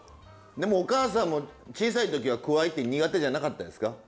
でもお母さんも小さい時はくわいって苦手じゃなかったですか？